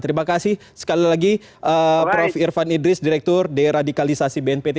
terima kasih sekali lagi prof irfan idris direktur deradikalisasi bnpt